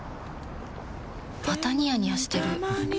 またニヤニヤしてるふふ。